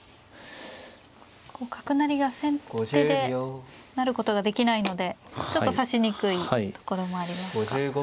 角成りが先手で成ることができないのでちょっと指しにくいところもありますか。